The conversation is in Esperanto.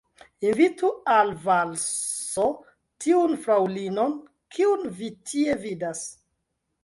Invitu al valso tiun fraŭlinon, kiun vi tie vidas.